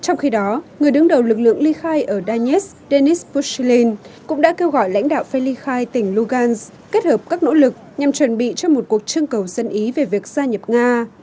trong khi đó người đứng đầu lực lượng ly khai ở danetsk denis pushilin cũng đã kêu gọi lãnh đạo phê ly khai tỉnh lugansk kết hợp các nỗ lực nhằm chuẩn bị cho một cuộc trưng cầu dân ý về việc gia nhập nga